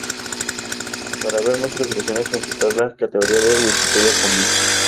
Para ver más ilustraciones, consultar la categoría de Wikimedia Commons.